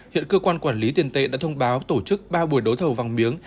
hiện cơ quan quản lý tiền tệ đã thông báo tổ chức ba buổi đấu thầu vàng miếng